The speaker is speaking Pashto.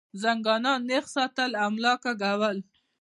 زنګونان نېغ ساتل او ملا کږول